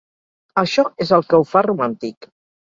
Això és el que ho fa romàntic.